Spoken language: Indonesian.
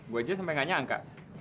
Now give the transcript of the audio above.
gue aja sampe gak nyangka